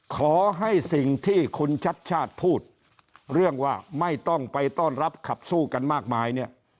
ขอให้สิ่งที่คุณชัดชาติพูดเรื่องว่าไม่ต้องไปต้อนรับขับสู้กันมากมายเนี่ย